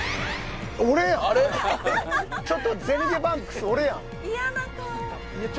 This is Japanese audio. ちょっとゼニゲバンクス俺やん嫌な顔